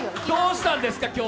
どうしたんですか？